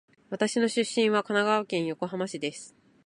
私の出身地は神奈川県横浜市です。